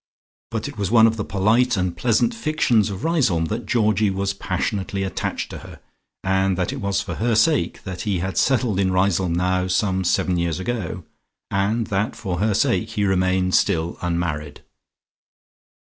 But it was one of the polite and pleasant fictions of Riseholme that Georgie was passionately attached to her and that it was for her sake that he had settled in Riseholme now some seven years ago, and that for her sake he remained still unmarried.